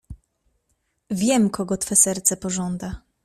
Wiem, kogo twe serce pożąda.